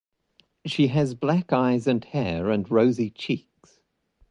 She has black eyes and hair and rosy cheeks.